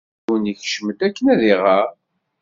Yiwen ikcem-d akken ad iɣer.